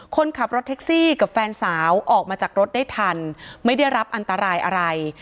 คนขับรถแท็กซี่กับแฟนสาวออกมาจากรถได้ทันไม่ได้รับอันตรายอะไร